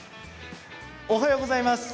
おはようございます。